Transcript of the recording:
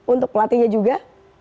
untuk pelatihnya juga